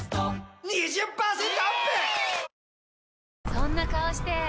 そんな顔して！